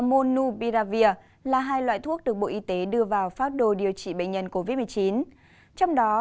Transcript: monubiravir là hai loại thuốc được bộ y tế đưa vào phác đồ điều trị bệnh nhân covid một mươi chín trong đó